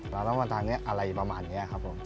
เราต้องมาตามนี้อะไรประมาณนี้ครับผม